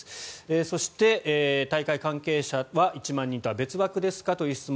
そして、大会関係者は１万人とは別枠ですか？という質問。